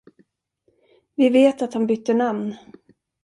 Vi vet att han bytte namn.